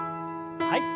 はい。